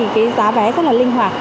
giá vé rất linh hoạt